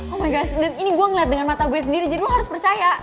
oh mereka ini gue ngeliat dengan mata gue sendiri jadi lo harus percaya